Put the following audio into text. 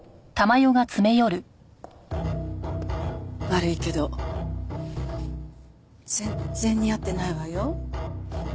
悪いけど全然似合ってないわよ。